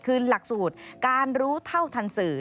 คือหลักสูตรการรู้เท่าทันสื่อ